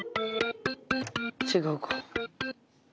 違うか。